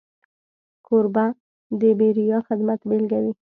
کوربه د بېریا خدمت بيلګه وي.